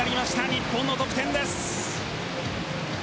日本の得点です。